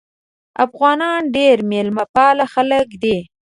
افغانان ډیر میلمه پاله خلک دي.